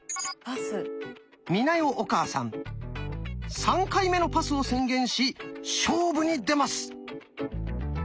美奈代お母さん３回目のパスを宣言し勝負に出ます！